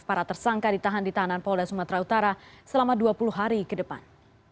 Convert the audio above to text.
para tersangka ditahan di tahanan polda sumatera utara selama dua puluh hari ke depan